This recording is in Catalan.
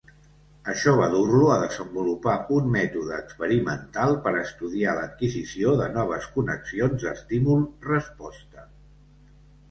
Això va dur-lo a desenvolupar un mètode experimental per estudiar l'adquisició de noves connexions d'estímul-resposta.